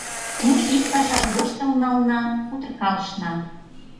Ну, ик кашак воштыл нална, кутыркалышна.